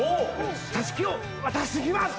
たすきを渡してきます。